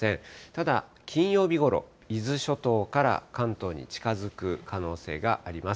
ただ金曜日ごろ、伊豆諸島から関東に近づく可能性があります。